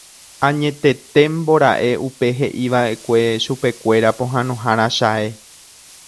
Añetetémbora'e upe he'iva'ekue chupekuéra pohãnohára chae.